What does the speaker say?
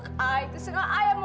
sekarang aku mau bicara apa aku sedih